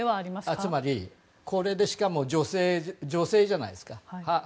つまり、これしかも判事女性じゃないですか。